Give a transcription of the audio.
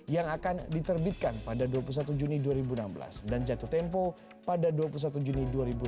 yang akan diterbitkan pada dua puluh satu juni dua ribu enam belas dan jatuh tempo pada dua puluh satu juni dua ribu enam belas